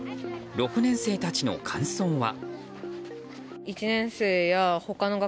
６年生たちの感想は。